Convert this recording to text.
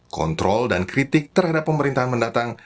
kontrol dan kritik terhadap pemerintahan mendatang